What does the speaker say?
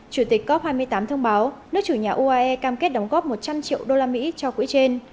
chủ tịch cop hai mươi tám thông báo nước chủ nhà uae cam kết đóng góp một trăm linh triệu usd cho quỹ trên